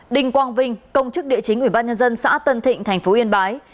đình quang vinh công chức địa chính ubnd xã tân thịnh tp yên bái